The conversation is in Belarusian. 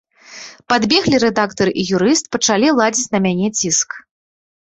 Падбеглі рэдактар і юрыст, пачалі ладзіць на мяне ціск.